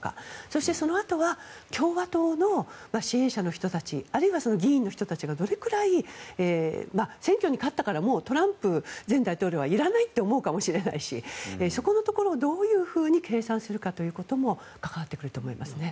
そしてそのあとは共和党の支援者の人たちあるいは議員の人たちがどれくらい選挙に勝ったからもうトランプ前大統領はいらないって思うかもしれないしそこのところをどう計算するかということも関わってくると思います。